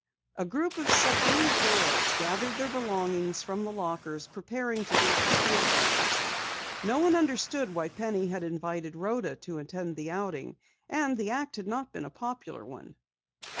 A group of subdued girls gathered their belongings from the lockers, preparing to leave the school grounds. No one understood why Penny had invited Rhoda to attend the outing, and the act had not been a popular one.